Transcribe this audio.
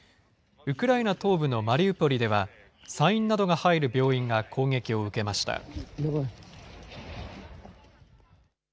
ウクライナ東部のマリウポリでは、産院などが入る病院が攻撃を受けました。